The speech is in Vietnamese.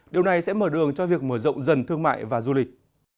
điều này sẽ mở đường cho việc mở rộng dần thương mại và du lịch